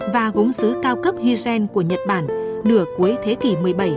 và gốm xứ cao cấp huy ren của nhật bản nửa cuối thế kỷ một mươi bảy